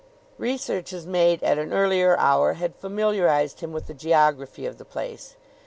Researches made at an earlier hour had familiarized him with the geography of the place.